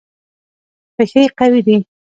پښې قوي دي.